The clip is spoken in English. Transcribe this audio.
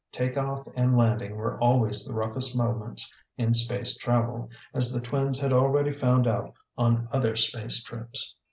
Take off and landing were always the roughest moments in space travel, as the twins had already found out on other space trips.